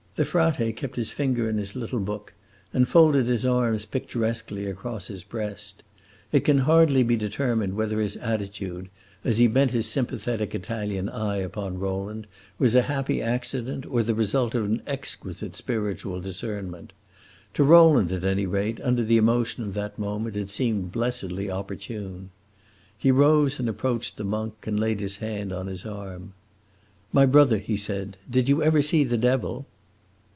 The frate kept his finger in his little book, and folded his arms picturesquely across his breast. It can hardly be determined whether his attitude, as he bent his sympathetic Italian eye upon Rowland, was a happy accident or the result of an exquisite spiritual discernment. To Rowland, at any rate, under the emotion of that moment, it seemed blessedly opportune. He rose and approached the monk, and laid his hand on his arm. "My brother," he said, "did you ever see the Devil?"